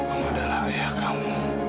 om adalah ayah kamu